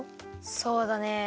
そうだね。